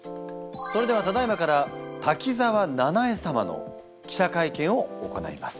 それではただいまから滝沢ななえ様の記者会見を行います。